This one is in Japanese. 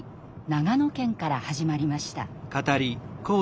長野県から始まりました。